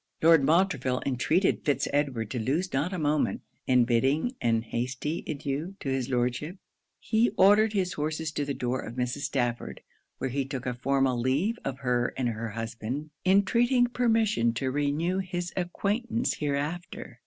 Lord Montreville intreated Fitz Edward to lose not a moment; and bidding an hasty adieu to his Lordship, he ordered his horses to the door of Mrs. Stafford, where he took a formal leave of her and her husband, entreating permission to renew his acquaintance hereafter.